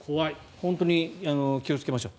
本当に気をつけましょう。